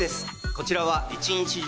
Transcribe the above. こちらは一日中